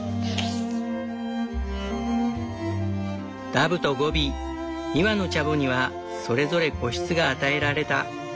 ダブとゴビ２羽のチャボにはそれぞれ個室が与えられた。